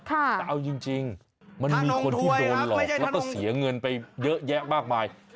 แต่เอาจริงมันมีคนที่โดนหลอกแล้วก็เสียเงินไปเยอะแยะมากมาย